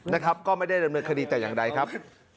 นะครับก็ไม่ได้ดำเนินคดีแต่อย่างใดครับ